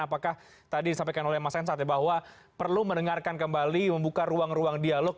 apakah tadi disampaikan oleh mas hensat ya bahwa perlu mendengarkan kembali membuka ruang ruang dialog